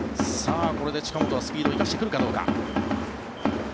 これで近本はスピードを生かしてくるかどうか。